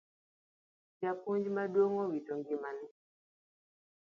Japuonj maduong' owito ngimane